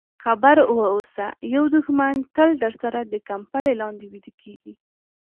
خبر واوسه یو دښمن تل درسره د کمپلې لاندې ویده کېږي.